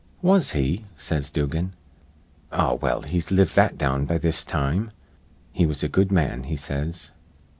'Was he?' says Dugan. 'Ah, well, he's lived that down be this time. He was a good man,' he says.